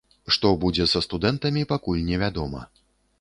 Што будзе са студэнтамі, пакуль не вядома.